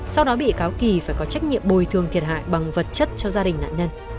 sau đó bị cáo kỳ phải có trách nhiệm bồi thường thiệt hại bằng vật chất cho gia đình nạn nhân